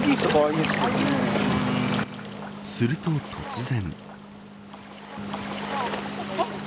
すると突然。